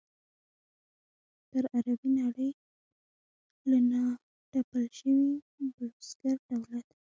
پر عربي نړۍ له را تپل شوي بلوسګر دولت.